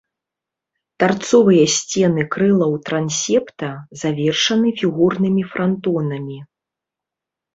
Тарцовыя сцены крылаў трансепта завершаны фігурнымі франтонамі.